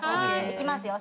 いきますよ。